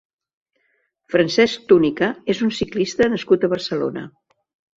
Francesc Túnica és un ciclista nascut a Barcelona.